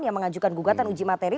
yang mengajukan gugatan uji materi